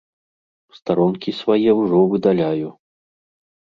Старонкі свае ўжо выдаляю.